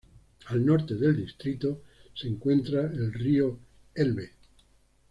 Al norte del distrito se encuentra el río Elbe.